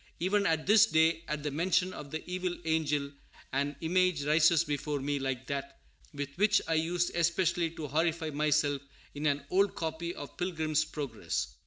Even at this day, at the mention of the evil angel, an image rises before me like that with which I used especially to horrify myself in an old copy of Pilgrim's Progress.